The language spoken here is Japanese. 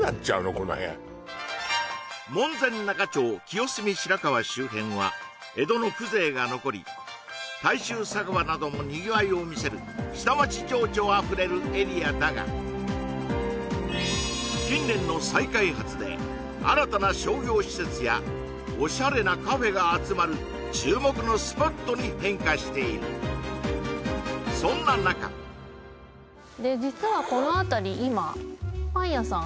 この辺門前仲町・清澄白河周辺は江戸の風情が残り大衆酒場などもにぎわいを見せる下町情緒あふれるエリアだが近年の再開発で新たな商業施設やオシャレなカフェが集まる注目のスポットに変化しているそんな中で実はこの辺り今パン屋さん